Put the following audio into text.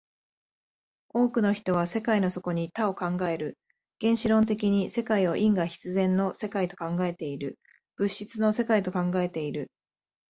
多くの人は世界の底に多を考える、原子論的に世界を因果必然の世界と考えている、物質の世界と考えている。